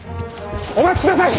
お待ちください！